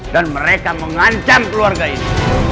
dan mereka mengancam keluarga ini